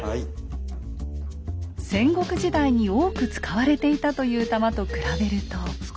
戦国時代に多く使われていたという弾と比べると。